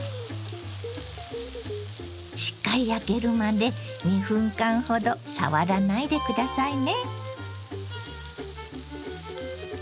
しっかり焼けるまで２分間ほど触らないで下さいね。